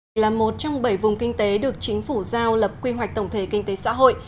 đây là một trong bảy vùng kinh tế được chính phủ giao lập quy hoạch tổng thể kinh tế xã hội